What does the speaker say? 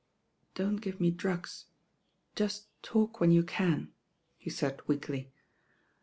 "Don't give me drugs, just talk when you can," he said weakly.